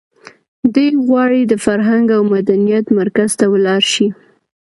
دی غواړي د فرهنګ او مدنیت مرکز ته ولاړ شي.